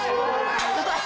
jangan jangan jangan